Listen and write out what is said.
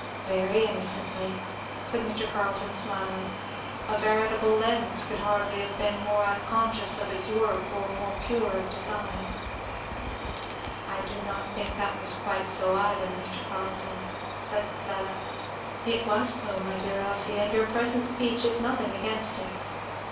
"Very innocently," said Mr. Carleton smiling. "A veritable lens could hardly have been more unconscious of its work or more pure of design." "I do not think that was quite so either, Mr. Carleton," said Fleda. "It was so, my dear Elfie, and your present speech is nothing against it.